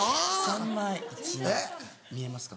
３枚１枚見えますか？